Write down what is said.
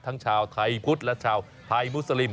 ชาวไทยพุทธและชาวไทยมุสลิม